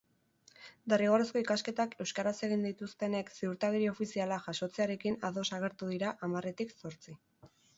Derrigorrezko ikasketak euskaraz egin dituztenek ziurtagiri ofiziala jasotzearekin ados agertu dira hamarretik zortzi.